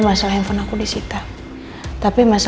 nyantri kayaknya udah mungkin jadi size bagigu kita